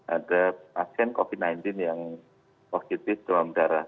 ada pasien covid sembilan belas yang positif demam darah